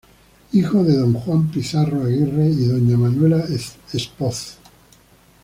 Hijo de don Juan Pizarro Aguirre y doña Manuela Espoz.